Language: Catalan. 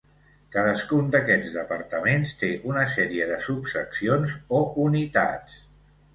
Cadascun d'aquests departaments té una sèrie de subseccions o unitats.